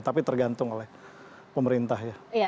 tapi tergantung oleh pemerintah ya